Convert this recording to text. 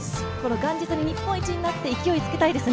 元日に日本一になって勢いつけたいですね。